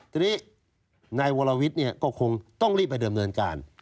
ทีนี้นายวรวิทย์ก็คงต้องรีบไปดำเนินการ